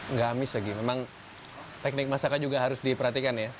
nggak amis lagi memang teknik masakan juga harus diperhatikan ya